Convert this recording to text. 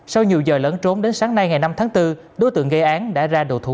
sau nhiều giờ lẫn trốn đến sáng nay ngày năm tháng bốn đối tượng gây án đã ra đồ thủ